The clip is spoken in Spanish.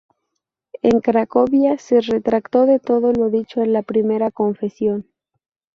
En Cracovia se retractó de todo lo dicho en la primera confesión.